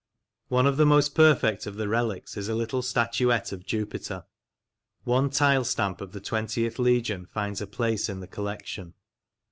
One of the most perfect of the relics is the little statuette of Jupiter. One tile stamp of the Twentieth Legion finds a place in the collection.